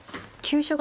急所。